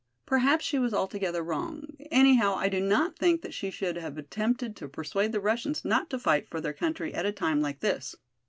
Perhaps she was altogether wrong; anyhow, I do not think she should have attempted to persuade the Russians not to fight for their country at a time like this.